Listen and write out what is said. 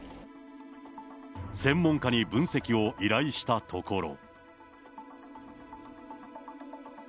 専門家に分析を依頼したところ。